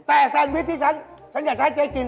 แต่แซนวิชที่ฉันฉันอยากจะให้เจ๊กิน